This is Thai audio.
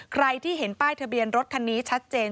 ใครที่เห็นป้ายทะเบียนรถคันนี้ชัดเจน